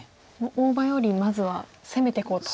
大場よりまずは攻めていこうと。